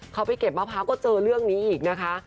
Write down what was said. เขาไปเก็บมะพร้าวก็เจอเรื่องนี้อีกนะคะ